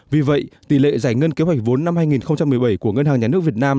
vì vậy tỷ lệ giải ngân kế hoạch vốn năm hai nghìn một mươi bảy của ngân hàng nhà nước việt nam